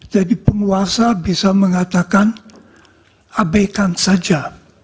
jadi penguasa bisa mengatakan abaikan saja